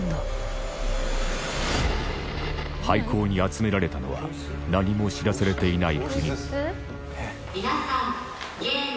廃校に集められたのは何も知らされていない９人皆さん。